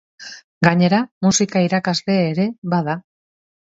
Gainera musika irakasle ere bada.